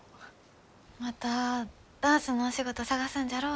またダンスのお仕事探すんじゃろう？